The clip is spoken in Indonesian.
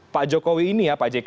pak jokowi ini ya pak jk